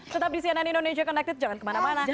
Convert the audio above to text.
tetap di cnn indonesia connected jangan kemana mana